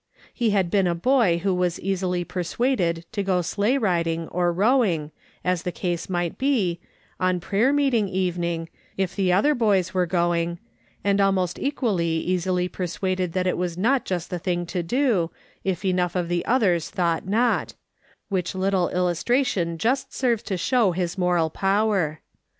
He had been a boy who was easily per suaded to go sleigh riding, or rowing, as the case might be, on prayer meeting evening, if the other "AND BEHOLD, THEY WERE ENGAGED r 255 boys were going, and almost equally easily persuaded that it was not just the thing to do, if enough of the others thought not, which little illustration just serves to show his moral power.